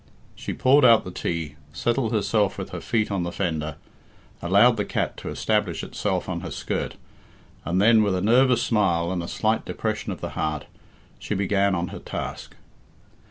She poured out the tea, settled herself with her feet on the fender, allowed the cat to establish itself on her skirt, and then, with a nervous smile and a slight depression of the heart, she began on her task.